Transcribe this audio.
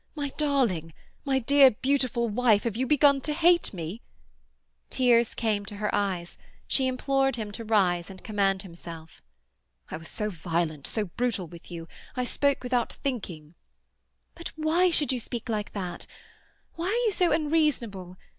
My darling! My dear, beautiful wife! Have you begun to hate me?" Tears came to her eyes. She implored him to rise and command himself. "I was so violent, so brutal with you. I spoke without thinking—" "But why should you speak like that? Why are you so unreasonable?